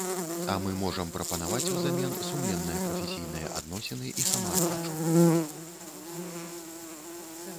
А мы можам прапанаваць узамен сумленныя прафесійныя адносіны і самааддачу.